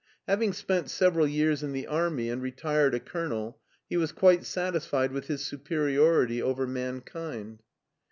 Having spent several years in the army and retired a colonel, he was quite satisfied with his superiority over mankind.